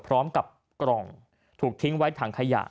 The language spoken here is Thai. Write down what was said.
พร้อมกับกล่องถูกทิ้งไว้ถังขยะ